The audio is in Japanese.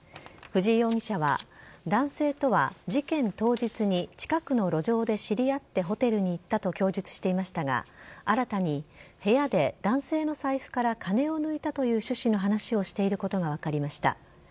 藤井容疑者は男性とは事件当日に近くの路上で知り合ってホテルに行ったと供述していましたが新たに部屋で男性の財布から金を抜いたという趣旨の話をしていることが分かりました。